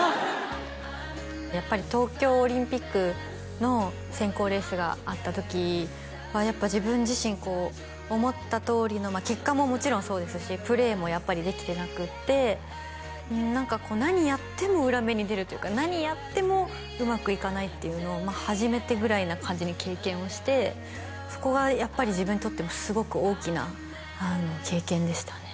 やっぱり東京オリンピックの選考レースがあった時はやっぱ自分自身こう思ったとおりの結果ももちろんそうですしプレーもやっぱりできてなくって何かこう何やっても裏目に出るというか何やってもうまくいかないっていうのを初めてぐらいな感じに経験をしてそこがやっぱり自分にとってもすごく大きな経験でしたね